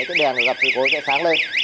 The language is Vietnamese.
cái đèn gặp dự cố sẽ sáng lên